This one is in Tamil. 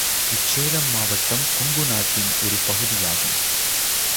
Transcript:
இச்சேலம் மாவட்டம் கொங்குநாட்டின் ஒரு பகுதியாகும்.